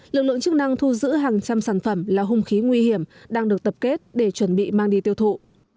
lực lượng chức năng thu giữ hàng trăm sản phẩm là hung khí nguy hiểm đang được tập kết để chuẩn bị mang đi tiêu thụ